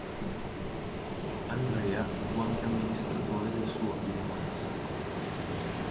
Andrea fu anche amministratore del suo ordine monastico.